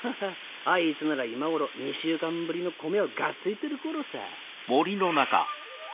あいつなら今頃２週間ぶりの米をがっついてる頃さ。